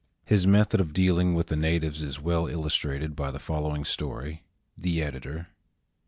His method of dealing with the natives is well illustrated by the following story. The Editor.